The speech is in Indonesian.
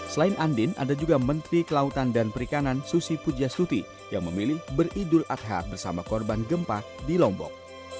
selain andin ada juga menteri kelautan dan perikanan susi pujastuti yang memilih beridul adha bersama korban gempa di lombok